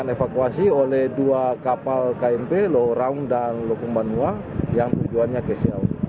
evakuasi oleh dua kapal knp loh raung dan loh kumah nuwa yang tujuannya ke siau